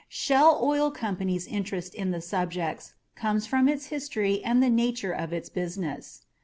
Shell Oil Company's interest in the subjects comes from its history and the nature of its business.